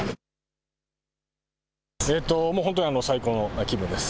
本当に最高の気分です。